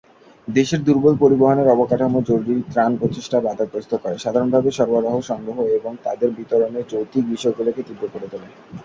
দেশের দুর্বল পরিবহন অবকাঠামো জরুরি ত্রাণ প্রচেষ্টা বাধাগ্রস্ত করে, সাধারণভাবে সরবরাহ সংগ্রহ এবং তাদের বিতরণের যৌক্তিক বিষয়গুলিকে তীব্র করে তোলে।